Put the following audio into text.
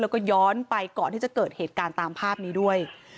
แล้วก็ย้อนไปก่อนที่จะเกิดเหตุการณ์ตามภาพนี้ด้วย